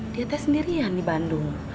dia teh sendirian di bandung